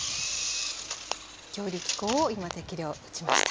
強力粉を今適量打ちました。